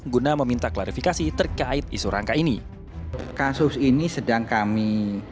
guna meminta klarifikasi terkait isu rangka ini